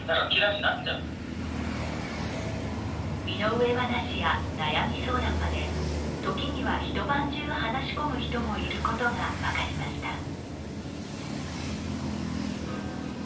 身の上話や悩み相談まで時には一晩中、話し込む人もいることが分かりました。